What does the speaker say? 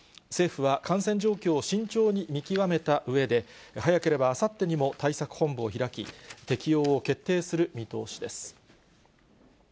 政府は感染状況を慎重に見極めたうえで、早ければあさってにも対策本部を開き、適用を決定する見通しです。